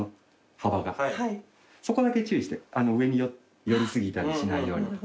そこだけ注意して上に寄り過ぎたりしないように。